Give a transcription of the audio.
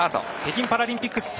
北京パラリンピック